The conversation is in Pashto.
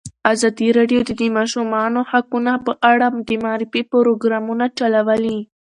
ازادي راډیو د د ماشومانو حقونه په اړه د معارفې پروګرامونه چلولي.